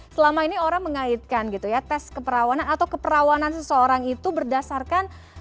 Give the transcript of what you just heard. selama ini orang mengaitkan gitu ya tes keperawanan atau keperawanan seseorang itu berdasarkan